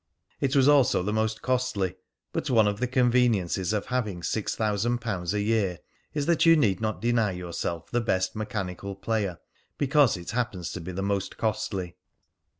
It was also the most costly; but one of the conveniences of having six thousand pounds a year is that you need not deny yourself the best mechanical player because it happens to be the most costly.